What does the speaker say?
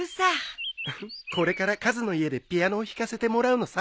これからカズの家でピアノを弾かせてもらうのさ。